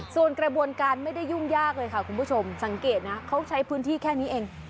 ส่วนกระบวนการไม่ได้ยุ่งยากเลยค่ะคุณผู้ชมสังเกตนะเขาใช้พื้นที่แค่นี้เอง